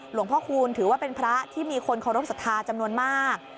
หลวงพ่อคูณถือว่าเป็นพระที่มีคนเคารพสัทธาจำนวนมาก